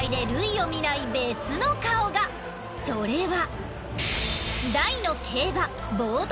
それは。